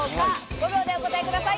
５秒でお答えください。